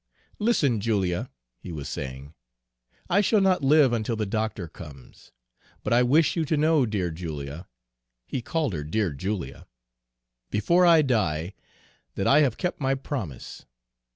"'Listen, Julia,' he was saying. 'I shall not live until the doctor comes. But I wish you to know, dear Julia!' he called her 'dear Julia!' 'before I die, that I have kept my promise.